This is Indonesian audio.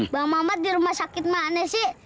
bang mamat di rumah sakit mana sih